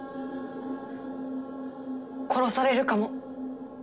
殺されるかも。